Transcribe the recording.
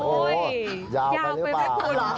โอ้โฮยาวไปไหมครับ